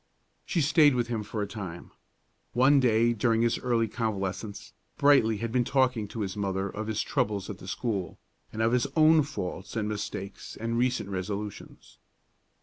She stayed with him for a time. One day during his early convalescence, Brightly had been talking to his mother of the troubles at the school, and of his own faults and mistakes and recent resolutions.